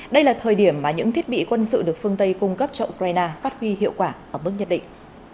đây là thời điểm mà những thiết bị quân sự được phương tây cung cấp cho ukraine phát huy hiệu quả ở mức nhất định